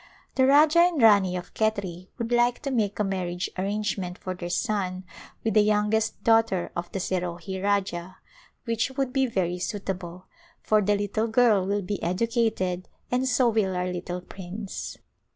The Rajah and Rani of Khetri would like to make a marriage arrangement for their son with the youngest daughter of the Serohi Rajah, which would be very suitable, for the little girl will be educated and so will our little prince.